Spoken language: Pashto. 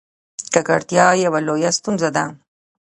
ککړتیا یوه لویه ستونزه ده.